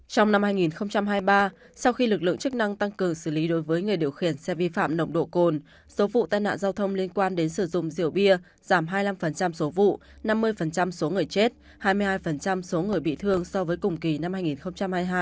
trong năm hai nghìn hai mươi ba sau khi lực lượng chức năng tăng cường xử lý đối với người điều khiển xe vi phạm nồng độ cồn số vụ tai nạn giao thông liên quan đến sử dụng rượu bia giảm hai mươi năm số vụ năm mươi số người chết hai mươi hai số người bị thương so với cùng kỳ năm hai nghìn hai mươi hai